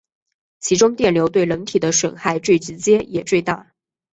其中电流对人体的损害最直接也最大。